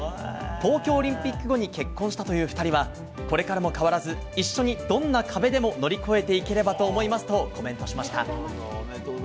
東京オリンピック後に結婚したという２人はこれからも変わらず一緒にどんな壁でも乗り越えていければと思いますとコメントしました。